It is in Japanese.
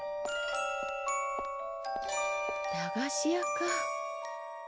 駄菓子屋か。